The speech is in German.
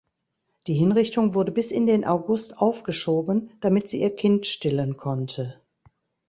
Die Hinrichtung wurde bis in den August aufgeschoben, damit sie ihr Kind stillen konnte.